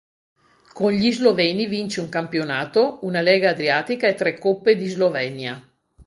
Con gli sloveni vince un campionato, una Lega Adriatica e tre Coppe di Slovenia.